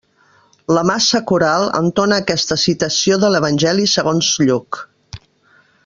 La massa coral entona aquesta citació de l'evangeli segons Lluc.